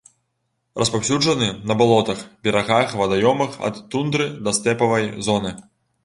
Распаўсюджаны на балотах, берагах вадаёмаў ад тундры да стэпавай зоны.